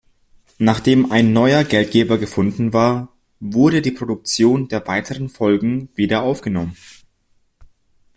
Nachdem ein neuer Geldgeber gefunden war, wurde die Produktion der weiteren Folgen wieder aufgenommen.